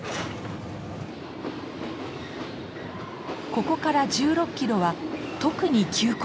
ここから１６キロは特に急勾配。